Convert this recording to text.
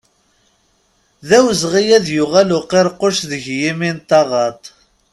D awezɣi ad d-yuɣal uqiṛquc deg yimi n taɣaḍt.